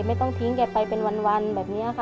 ไม่ต้องทิ้งแกไปเป็นวันแบบนี้ค่ะ